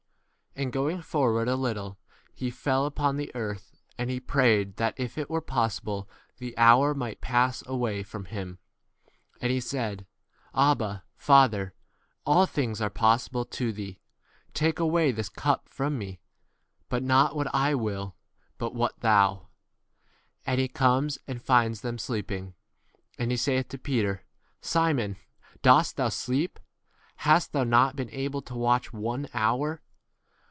And, going forward a little, he fell upon the earth ; and he prayed that if it were possible the hour might pass away from 36 him. And he said, Abba, Father, all things are possible to thee ; take away this cup from me ; but not what I will, but what thou. 3 7 And he comes and finds them sleeping. And he saith to Peter, Simon, dost thou sleep ? Hast thou not been able to watch one 38 hour?